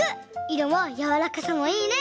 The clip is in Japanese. いろもやわらかさもいいね！